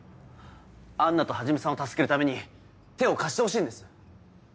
アンナと始さんを助けるために手を貸してほしいんです。